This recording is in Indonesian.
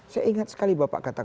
saya ingat sekali bapak katakan